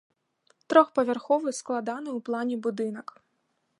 Трохпавярховы, складаны ў плане будынак.